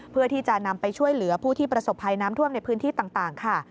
เพื่อที่จะนำไปช่วยเหลือผู้ที่ประสบภัยน้ำท่วมในพื้นที่ต่างค่ะ